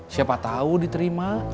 siapa tau diterima